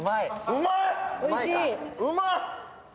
うまっ！